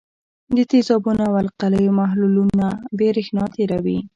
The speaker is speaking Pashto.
د تیزابونو او القلیو محلولونه برېښنا تیروي.